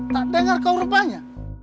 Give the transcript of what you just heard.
tak denger kau rupanya